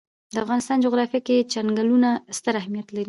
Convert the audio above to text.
د افغانستان جغرافیه کې چنګلونه ستر اهمیت لري.